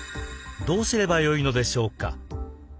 どうすればよいのでしょうか？